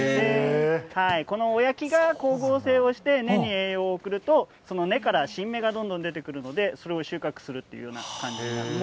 この親木が光合成をして、根に栄養を送ると、その根から新芽がどんどん出てくるので、それを収穫するというような感じになります。